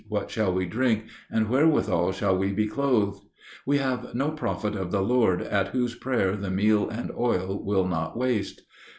what shall we drink? and wherewithal shall we be clothed? We have no prophet of the Lord at whose prayer the meal and oil will not waste.